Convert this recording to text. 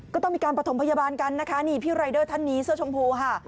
ก็ต้องมีการประถมพยาบาลกันนะคะนี่พี่รายเดอร์ท่านนี้เสื้อชมพูค่ะ